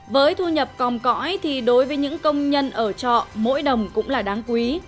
với thu nhập còm cõi thì đối với những công nhân ở trọ mỗi đồng cũng là đáng quý